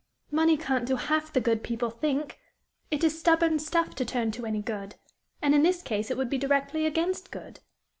"Money can't do half the good people think. It is stubborn stuff to turn to any good. And in this case it would be directly against good."